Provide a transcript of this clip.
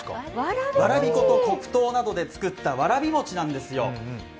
わらび粉と黒糖などで作ったわらび餅なんです。